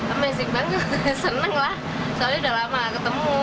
amazing banget seneng lah soalnya udah lama gak ketemu